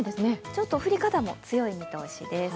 ちょっと降り方も強い見通しです。